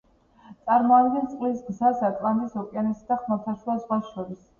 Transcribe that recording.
წარმოადგენს წყლის გზას ატლანტის ოკეანესა და ხმელთაშუა ზღვას შორის.